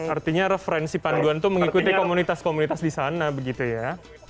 artinya referensi panduan itu mengikuti komunitas komunitas di sana begitu ya